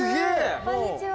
こんにちは。